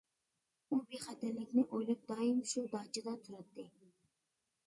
ئۇ بىخەتەرلىكنى ئويلاپ دائىم شۇ داچىدا تۇراتتى.